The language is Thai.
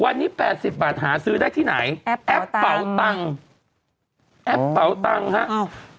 วันนี้แปดสิบบาทหาซื้อได้ที่ไหนแอปแอปเป่าตังค์แอปเป่าตังค์ฮะอ้าว